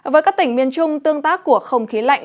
với các tỉnh miền trung tương tác của không khí lạnh